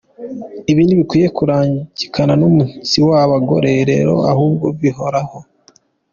Ibi ntibikwiye kurangirana numunsi wabagore rero, ahubwo bihoraho.